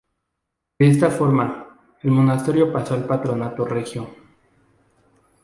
De esta forma, el monasterio pasó al patronato regio.